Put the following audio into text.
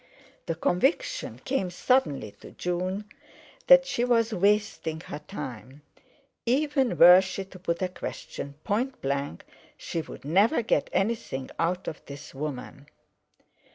The conviction came suddenly to June that she was wasting her time; even were she to put a question point blank, she would never get anything out of this woman.